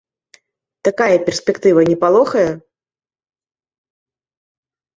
Такая перспектыва не палохае?